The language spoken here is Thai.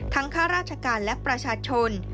ทั้งค่าราชการและประชาชน